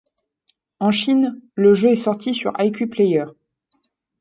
En Chine, le jeu est sorti sur iQue Player.